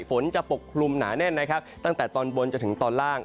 ฝนจะปกคลุมหนาแน่นนะครับตั้งแต่ตอนบนจนถึงตอนล่าง